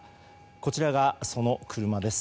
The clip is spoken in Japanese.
こちらがその車です。